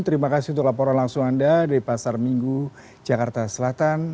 terima kasih untuk laporan langsung anda dari pasar minggu jakarta selatan